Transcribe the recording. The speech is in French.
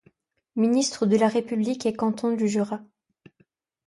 Ministre de la République et Canton du Jura.